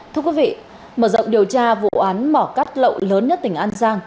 thưa quý vị mở rộng điều tra vụ án mỏ cắt lậu lớn nhất tỉnh an giang